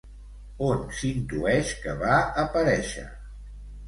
On s'intueix que va aparèixer?